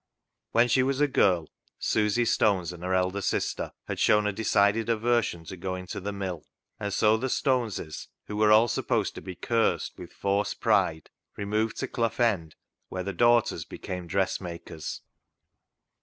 When she was a girl, Susy Stones and her elder sister had shown a decided aversion to going to the mill, and so the Stoneses, who were all supposed to be cursed with " fawse pride," removed to Clough End, where the daughters became dressmakers.